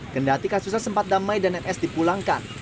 kendati kasusnya sempat damai dan ns dipulangkan